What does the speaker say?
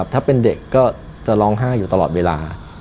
ถ้าเป็นเด็กก็จะร้องไห้อยู่ตลอดเวลา